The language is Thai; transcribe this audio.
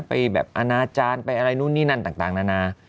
ไปแบบอนาจารย์ไปอะไรนู่นนี่นั่นต่างนานา